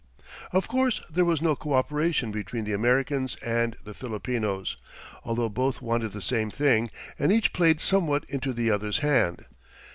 Of course there was no coöperation between the Americans and the Filipinos, although both wanted the same thing and each played somewhat into the other's hand.